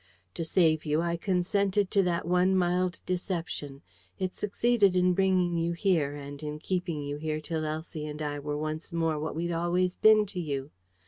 To save you, I consented to that one mild deception. It succeeded in bringing you here, and in keeping you here till Elsie and I were once more what we'd always been to you.